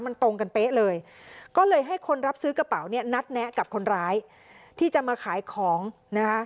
มันตรงกันเป๊ะเลยก็เลยให้คนรับซื้อกระเป๋าเนี่ยนัดแนะกับคนร้ายที่จะมาขายของนะคะ